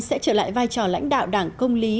sẽ trở lại vai trò lãnh đạo đảng công lý